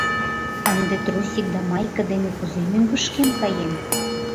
Ынде трусик да майке дене кузе мӧҥгышкем каем?..